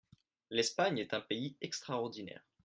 L’Espagne est un pays extraordinaire.